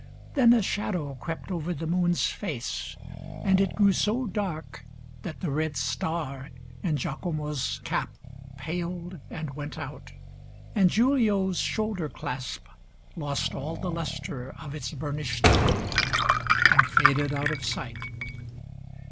Then a shadow crept Over the moon's face ; and it grew so dark That the red star in Giacomo's cap Paled and went out, and Giulio's shoulder clasp Lost all the lustre of its burnished gold. And faded out of sight.